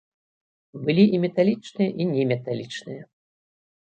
Былі і металічныя, і неметалічныя.